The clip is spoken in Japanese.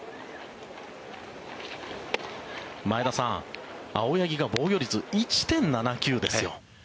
前田さん、青柳が防御率１．７９ですよ。